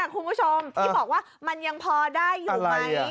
คุณผู้ชมที่บอกว่ามันยังพอได้อยู่ไหม